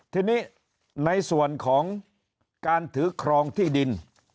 ทีนี้ในส่วนของการถือครองที่ดิน